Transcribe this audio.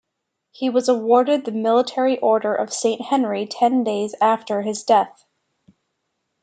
He was awarded the Military Order of Saint Henry ten days after his death.